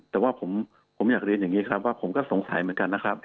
แต่ว่าผมอยากเรียนอย่างนี้ครับว่าผมก็สงสัยเหมือนกันนะครับ